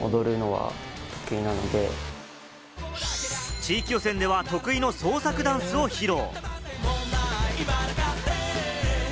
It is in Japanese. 地域予選では得意の創作ダンスを披露。